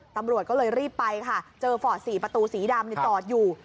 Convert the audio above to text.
ตำรวจก็เลยรีบไปค่ะเจอฟอร์ด๔ประตูสีดำจอดอยู่